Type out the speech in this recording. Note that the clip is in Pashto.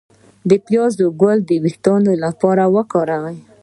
د پیاز ګل د ویښتو لپاره وکاروئ